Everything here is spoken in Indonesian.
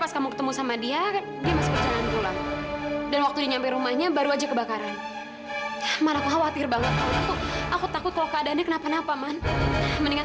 sampai jumpa di video selanjutnya